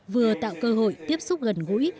vừa tạo cơ hội tiếp xúc gần gũi